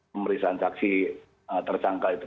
pemeriksaan caksi tersangka